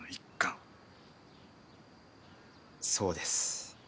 そうです。